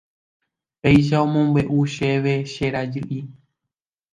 Péicha omombeʼu chéve che jarýi.